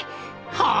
はあ？